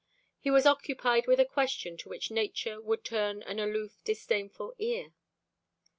He was occupied with a question to which nature would turn an aloof disdainful ear.